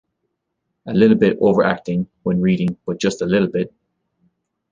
A little bit "overacting" when reading, but just a little bit!